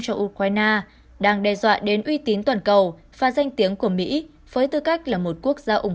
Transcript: cho ukraine đang đe dọa đến uy tín toàn cầu và danh tiếng của mỹ với tư cách là một quốc gia ủng